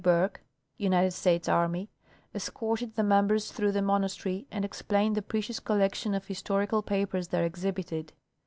Bourke, United States Army, escorted the members through the monastery and explained the precious collection of historical papers there exhibited.